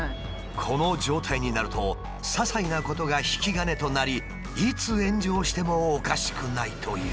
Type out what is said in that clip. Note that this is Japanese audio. この状態になるとささいなことが引き金となりいつ炎上してもおかしくないという。